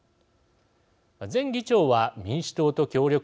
前議長は民主党と協力し